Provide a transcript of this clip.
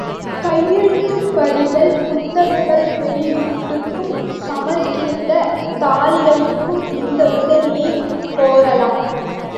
கையெழுத்துப் படிகள் புத்தகங்கள் வெளியீட்டுக்கும், சமற்கிருதத் தாளிகைகளுக்கும் இந்த உதவியைக் கோரலாம்.